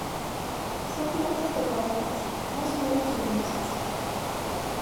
Son plantas trepadoras, más o menos leñosas.